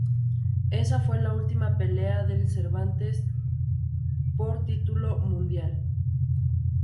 Esa fue la última pelea de Cervantes por título mundial.